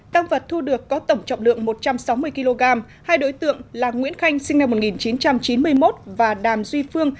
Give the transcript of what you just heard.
tăng vật thu được có tổng trọng lượng một trăm sáu mươi kg hai đối tượng là nguyễn khanh sinh năm một nghìn chín trăm chín mươi một và đàm duy phương